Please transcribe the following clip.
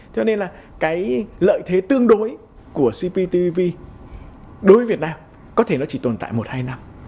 cho nên là cái lợi thế tương đối của cptv đối với việt nam có thể nó chỉ tồn tại một hai năm